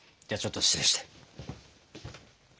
じゃちょっと失礼して。